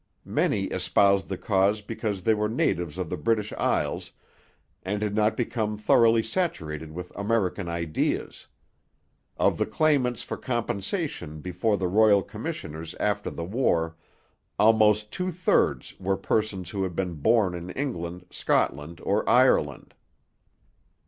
Many espoused the cause because they were natives of the British Isles, and had not become thoroughly saturated with American ideas: of the claimants for compensation before the Royal Commissioners after the war almost two thirds were persons who had been born in England, Scotland, or Ireland.